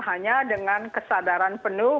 hanya dengan kesadaran penuh